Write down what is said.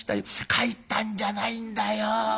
帰ったんじゃないんだよ。